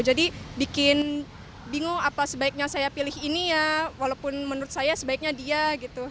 jadi bikin bingung apa sebaiknya saya pilih ini ya walaupun menurut saya sebaiknya dia gitu